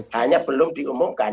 hanya belum diumumkan